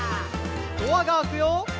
「ドアが開くよ」